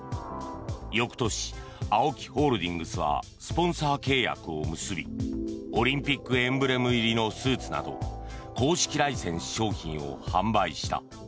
翌年ＡＯＫＩホールディングスはスポンサー契約を結びオリンピックエンブレム入りのスーツなど公式ライセンス商品を販売した。